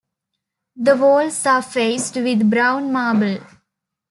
The walls are faced with brown marble.